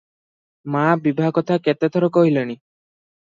ମା ବିଭାକଥା କେତେ ଥର କହିଲେଣି ।